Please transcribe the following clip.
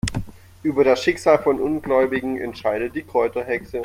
Über das Schicksal von Ungläubigen entscheidet die Kräuterhexe.